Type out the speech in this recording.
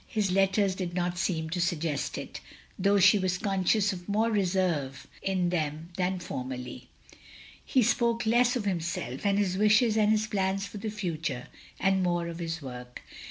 His letters did not seem to suggest it, though she was con scious of more reserve in them than formerly. He spoke less of himself and his wishes and his plans for the future, and more of his work.